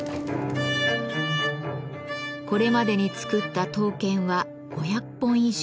これまでに作った刀剣は５００本以上。